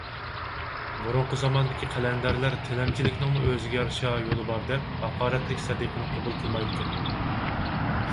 بۇرۇنقى زاماندىكى قەلەندەرلەر تىلەمچىلىكنىڭمۇ ئۆزىگە يارىشا يولى بار دەپ، ھاقارەتلىك سەدىقىنى قوبۇل قىلمايدىكەن.